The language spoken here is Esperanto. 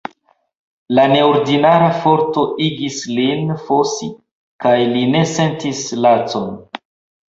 La neordinara forto igis lin fosi kaj li ne sentis lacon.